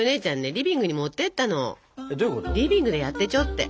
リビングでやってちょって。